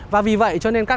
và vì vậy cho nên các em